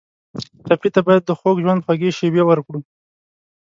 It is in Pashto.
ټپي ته باید د خوږ ژوند خوږې شېبې ورکړو.